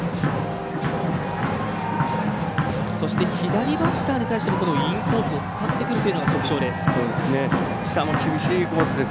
そして、左バッターに対してもこのインコースを使ってくるというのが特徴です。